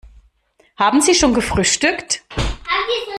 Haben Sie schon gefrühstückt?